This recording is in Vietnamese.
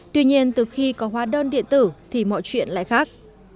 tuy nhiên từ khi có hóa đơn điện tử thì mọi chuyện lại khác